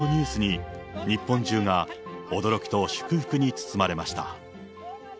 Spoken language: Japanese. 突然のニュースに、日本中が驚きと祝福に包まれました。